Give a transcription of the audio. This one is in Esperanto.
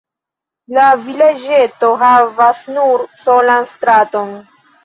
La vilaĝeto havas nur solan straton.